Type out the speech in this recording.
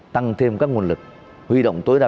tăng thêm các nguồn lực huy động tối đa